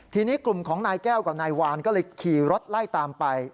ทีนี้กลุ่มของนายแก้วกับนายวานก็เลยขี่รถไล่ตามไป